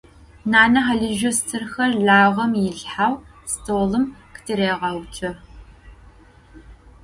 Nane halızjo stırxer lağem yilhxeu stolım khıtırêğeutso.